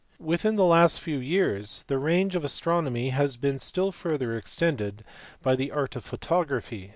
Within the last few years the range of astronomy has been still further extended by the art of photography.